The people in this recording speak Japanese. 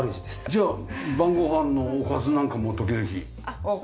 じゃあ晩ご飯のおかずなんかも時々？